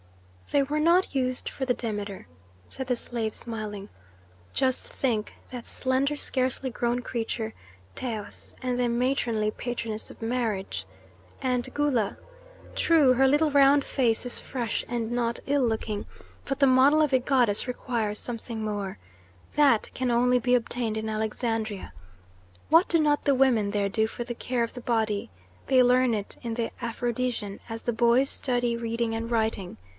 "They were not used for the Demeter," said the slave, smiling. "Just think, that slender scarcely grown creature, Taus, and the matronly patroness of marriage. And Gula? True, her little round face is fresh and not ill looking but the model of a goddess requires something more. That can only be obtained in Alexandria. What do not the women there do for the care of the body! They learn it in the Aphrodision, as the boys study reading and writing.